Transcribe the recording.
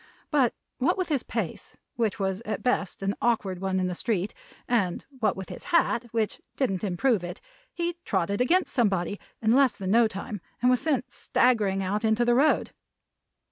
But what with his pace, which was at best an awkward one in the street; and what with his hat, which didn't improve it; he trotted against somebody in less than no time and was sent staggering out into the road.